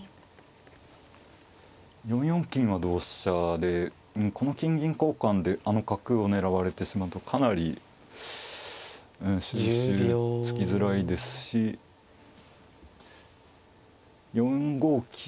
４四金は同飛車でこの金銀交換であの角を狙われてしまうとかなりうん収拾つきづらいですし４五金。